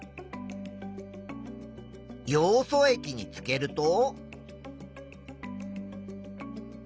ヨウ素液につけると？